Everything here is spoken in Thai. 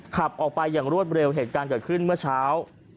ขับออกไปอย่างรวดเร็วเหตุการณ์เกิดขึ้นเมื่อเช้า